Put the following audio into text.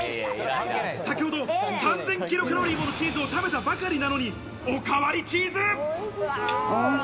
先ほど３０００ｋｃａｌものチーズを食べたばかりなのに、おかわりチーズ！